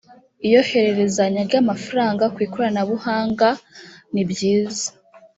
iyohererezanya ry‘amafaranga ku ikoranabuhanga ni byiza